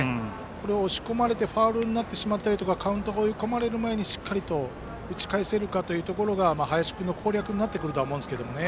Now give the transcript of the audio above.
押し込まれてファウルになってしまったりカウントが追い込まれる前にしっかりと打ち返せるかが林君の攻略になってくると思います。